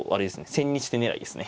千日手狙いですね